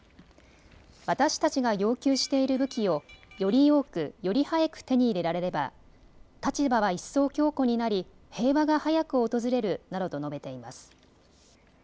私たちが要求している武器をより多く、より早く手に入れられれば立場は一層強固になり平和が早く訪れるなどとと述べています。